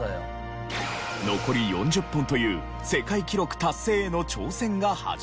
残り４０本という世界記録達成への挑戦が始まりました。